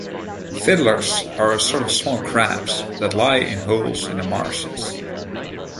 Fiddlers are a sort of small crabs, that lie in holes in the marshes.